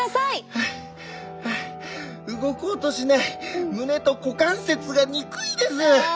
ハァハァ動こうとしない胸と股関節が憎いです！